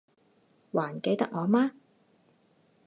还记得我吗？